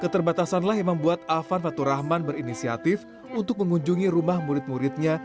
keterbatasanlah yang membuat avan faturahman berinisiatif untuk mengunjungi rumah murid muridnya